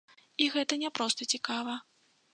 І гэта не проста цікава.